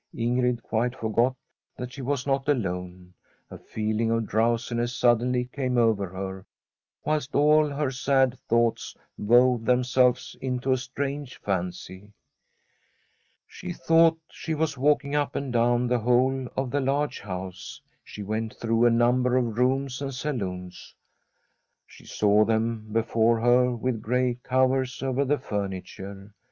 Ingrid quite forgot that she was not alone ; a feeling of drowsiness suddenly came over her, whilst all her sad thoughts wove themselves into a strange fancy. She thought she was walking up and down the 178] Tbi STORY of a COUNTRY HOUSE whole of the large house. She went through a number of rooms and salons ; she saw them be fore her with gray covers over the furniture.